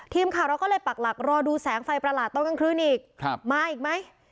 ทีมข่าวเราก็เลยปักหลักรอดูแสงไฟประหลาดตอนกลางคืนอีกมาอีกไหม